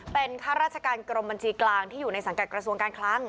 เป็นข้าราชการกรมบัญชีกลางที่อยู่ในสังกัดกระทรวงการคลัง